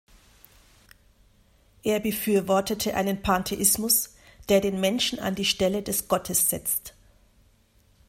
Er befürwortete einen „Pantheismus, der den Menschen an die Stelle des Gottes setzt“.